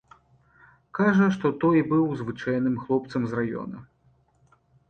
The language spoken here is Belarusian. Кажа, што той быў звычайным хлопцам з раёна.